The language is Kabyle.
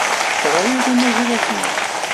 Taɣriḍ amagrad-nni?